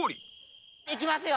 いきますよ！